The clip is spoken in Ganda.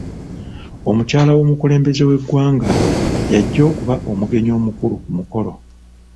Omukyala w'omukulembeze w'eggwanga y'ajja okuba omugenyi omukulu ku mukolo.